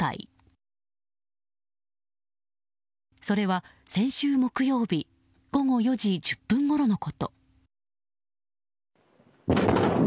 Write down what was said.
それは先週木曜日午後４時１０分ごろのこと。